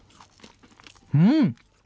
うん！